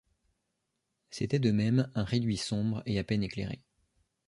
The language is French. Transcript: C’était de même un réduit sombre et à peine éclairé.